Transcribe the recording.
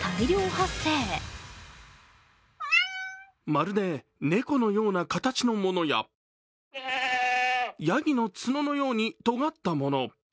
まるで猫のような形のものや、やぎの角のようにとがったもの。